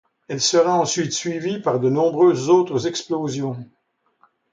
Elle sera ensuite suivie par de nombreuses autres explosions.